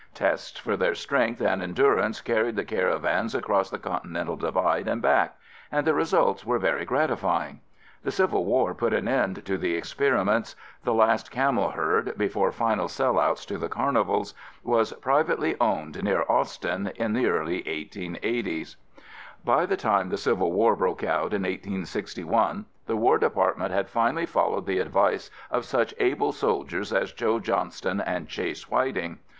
Tests for their strength and endurance carried the caravans across the Continental Divide and back, and the results were very gratifying. The Civil War put an end to the experiments. The last camel herd, before final sellouts to the carnivals, was privately owned near Austin in the early 1880's. By the time the Civil War broke out in 1861, the War Department had finally followed the advice of such able soldiers as Joe Johnston and Chase Whiting.